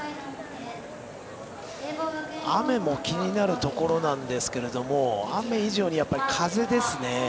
雨も気になるところなんですけど雨以上にやっぱり風ですね。